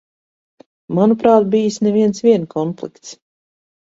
Manuprāt, bijis ne viens vien konflikts.